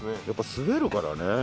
やっぱ滑るからね。